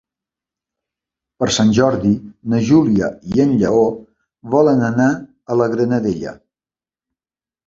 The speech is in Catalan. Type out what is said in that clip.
Per Sant Jordi na Júlia i en Lleó volen anar a la Granadella.